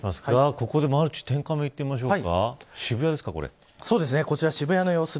ここでマルチ天カメ見てみましょうか。